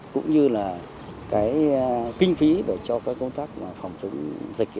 cũng như là cái kinh phí để cho cái công tác phòng chống dịch